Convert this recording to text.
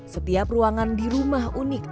setiap ruangan di rumah unik